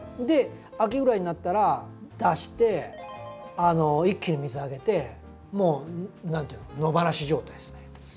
で秋ぐらいになったら出して一気に水あげてもう何て言うの野放し状態ですね。